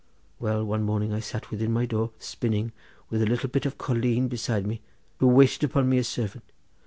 Well, one morning I sat within my door spinning, with a little bit of a colleen beside me who waited upon me as servant.